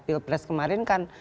pilpres kemarin kan